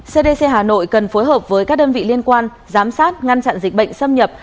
cdc hà nội cần phối hợp với các đơn vị liên quan giám sát ngăn chặn dịch bệnh xâm nhập